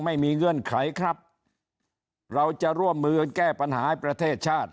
ไม่มีเงื่อนไขครับเราจะร่วมมือแก้ปัญหาประเทศชาติ